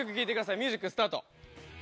ミュージックスタート。